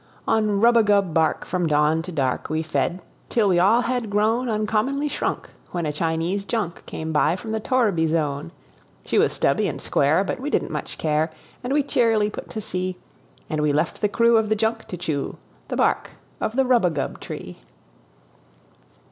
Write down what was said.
On rubagub bark, from dawn to dark, We fed, till we all had grown Uncommonly shrunk, when a Chinese junk Came by from the torriby zone. She was stubby and square, but we didn't much care, And we cheerily put to sea; And we left the crew of the junk to chew The bark of the rubagub tree.